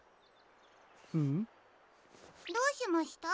ム？どうしました？